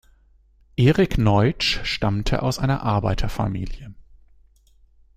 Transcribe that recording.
Erik Neutsch stammte aus einer Arbeiterfamilie.